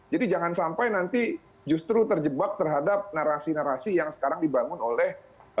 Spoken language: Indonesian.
jadi jangan sampai nanti justru terjebak terhadap narasi narasi yang sekarang dibangun oleh